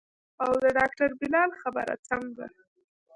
او د ډاکتر بلال خبره څنګه.